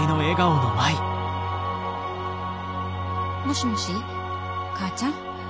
もしもし母ちゃん。